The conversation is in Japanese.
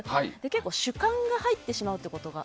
結構、主観が入ってしまうことが